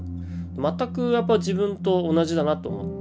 全く自分と同じだなと思って。